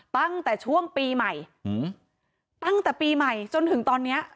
ตั้งแต่ช่วงปีใหม่ตั้งแต่ปีใหม่จนถึงตอนนี้